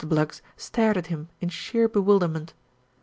Bluggs stared at him in sheer bewilderment.